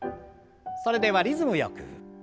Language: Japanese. それではリズムよく。